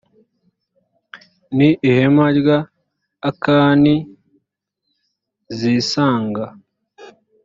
mu ihema rya akani zisanga